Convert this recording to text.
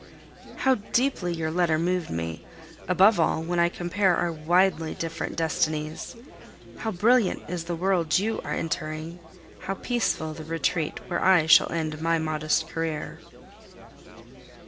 How deeply your letter moved me; above all, when I compare our widely different destinies! How brilliant is the world you are entering, how peaceful the retreat where I shall end my modest career!